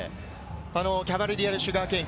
キャバレリアルシュガーケーン。